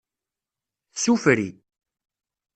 Tsufri.